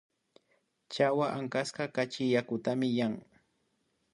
Chawa ankaska kachi yakutami yan